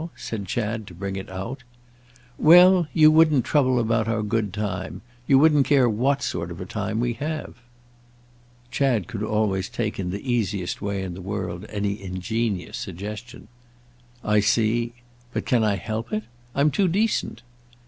said Chad to bring it out. "Well, you wouldn't trouble about our good time. You wouldn't care what sort of a time we have." Chad could always take in the easiest way in the world any ingenious suggestion. "I see. But can I help it? I'm too decent."